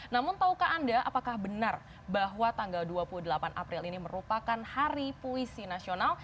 namun tahukah anda apakah benar bahwa tanggal dua puluh delapan april ini merupakan hari puisi nasional